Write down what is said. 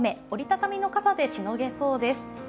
折り畳みの傘でしのげそうです。